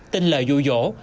tin lời dụ dỗ